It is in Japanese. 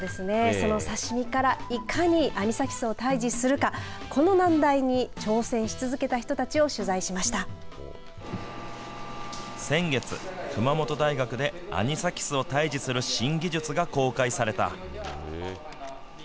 その刺身からいかにアニサキスを退治するかこの難題に挑戦し続けた人たちを先月、熊本大学でアニサキスを退治する新技術が公開された。